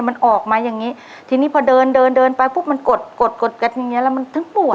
มันออกมาอย่างงี้ทีนี้พอเดินเดินเดินไปปุ๊บมันกดกดกดกันอย่างเงี้แล้วมันถึงปวด